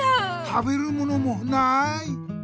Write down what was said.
食べるものもない！